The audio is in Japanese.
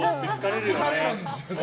疲れるんだよね。